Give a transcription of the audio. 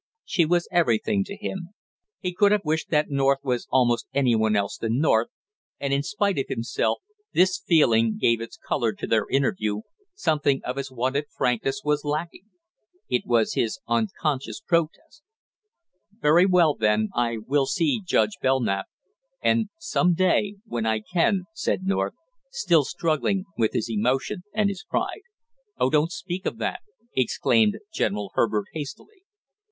She was everything to him. He could have wished that North was almost any one else than North; and in spite of himself this feeling gave its color to their interview, something of his wonted frankness was lacking. It was his unconscious protest. "Very well, then, I will see Judge Belknap, and some day when I can " said North, still struggling with his emotion and his pride. "Oh, don't speak of that!" exclaimed General Herbert hastily.